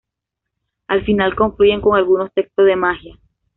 Al final, confluyen con algunos textos de magia.